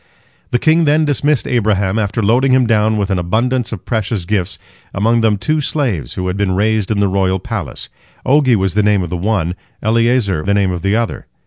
The king then dismissed Abraham, after loading him down with an abundance of precious gifts, among them two slaves who had been raised in the royal palace. 'Ogi was the name of the one, Eliezer the name of the other.